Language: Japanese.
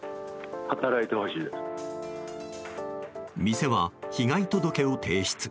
店は被害届を提出。